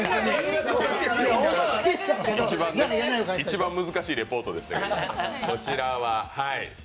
一番難しいレポートでした。